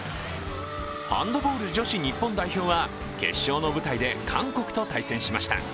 ハンドボール女子日本代表は決勝の舞台で韓国と対戦しました。